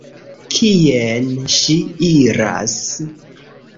Kien ŝi iras?